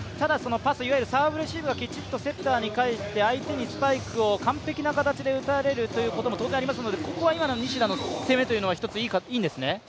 パス、いわゆるサーブレシーブがきちっと返って相手にスパイクを完璧な形で打たれるということも当然ありますので、ここは今の西田の攻めというのが一つ、いいんですね？